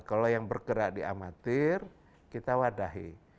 kalau yang bergerak di amatir kita wadahi